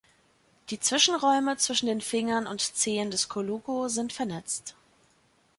Die Zwischenräume zwischen den Fingern und Zehen des Colugo sind vernetzt.